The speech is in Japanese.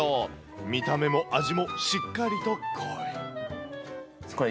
見た目も味もしっかりと濃い。